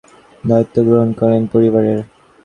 তিনি বারাণসীতে সমগ্র পরিবারের দায়িত্ব গ্রহণ করেন।